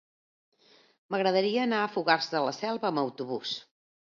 M'agradaria anar a Fogars de la Selva amb autobús.